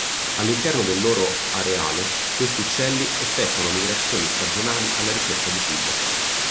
All'interno del loro areale questi uccelli effettuano migrazioni stagionali alla ricerca di cibo.